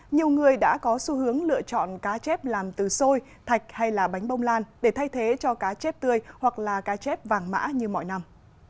nhiều người đã có xu hướng lựa chọn cá chép làm từ xôi thạch hay là bánh bông lan để thay thế cho cá chép tươi hoặc là cá chép vàng mã như mọi năm